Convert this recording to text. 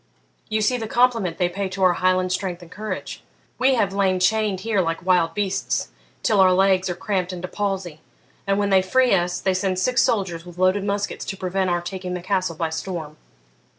'You see the compliment they pay to our Highland strength and courage; we have lain chained here like wild beasts, till our legs are cramped into palsy, and when they free us they send six soldiers with loaded muskets to prevent our taking the castle by storm!'